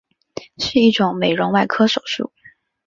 是一种美容外科手术。